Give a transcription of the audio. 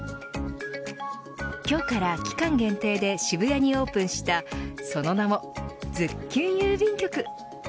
今日から期間限定で渋谷にオープンしたその名もズッキュン郵便局。